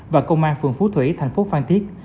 và công an phường phú thủy thành phố phan thiết